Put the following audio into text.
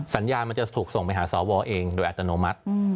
สัญญามันจะถูกส่งไปหาสวเองโดยอัตโนมัติ